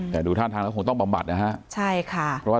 แต่ดูท่านทำก็คงต้องปับบัดนะฮะใช่ค่ะ